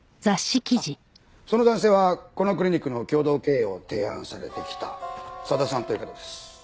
あっその男性はこのクリニックの共同経営を提案されてきた佐田さんという方です。